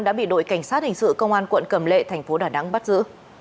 đã bị đội cảnh sát hình sự công an quận cầm lệ thành phố đà nẵng bắt giữ